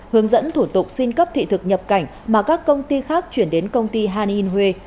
hướng dẫn thủ tục xin cấp thị thực nhập cảnh mà các công ty khác chuyển đến công ty hàn yên huê